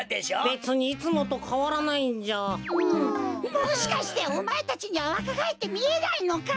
もしかしておまえたちにはわかがえってみえないのか？